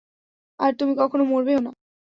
আর তুমি কখনো মরবেও না।